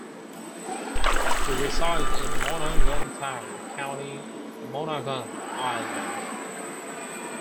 He resides in Monaghan Town, County Monaghan, Ireland.